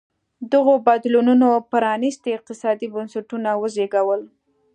دغو بدلونونو پرانېستي اقتصادي بنسټونه وزېږول.